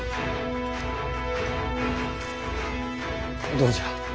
どうじゃ？